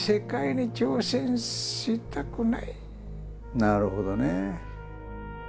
なるほどね。